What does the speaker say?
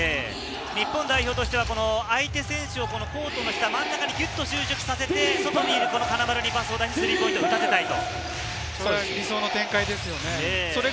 日本代表としては相手選手をコートの真ん中にぎゅっと収縮させて、外にいる金丸選手にパスしてスリーポイントを打たせたいと。